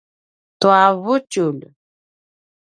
tua vutjulj